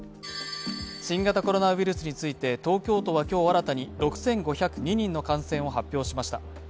新型コロナウイルスについて、東京都は今日新たに６５０２人の感染を発表しました。